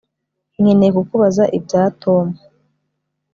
Nkeneye kukubaza ibya Tom